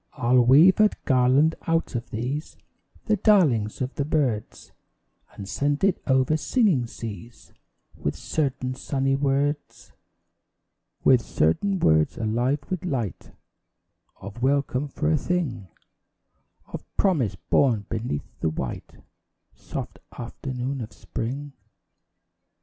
I'll weave a garland out of these, The darlings of the birds, And send it over singing seas With certain sunny words With certain words alive with light Of welcome for a thing Of promise, born beneath the white, Soft afternoon of Spring.